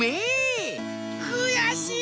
くやしい！